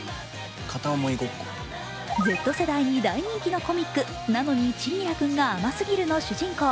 Ｚ世代に大人気のコミック「なのに、千輝くんが甘すぎる」の主人公